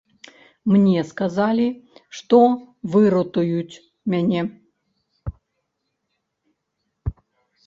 Мне сказалі, што выратуюць мяне.